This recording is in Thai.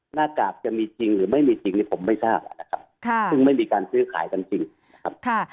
หน้ากากจะมีจริงหรือไม่มีจริงนี่ผมไม่ทราบนะครับซึ่งไม่มีการซื้อขายกันจริงนะครับ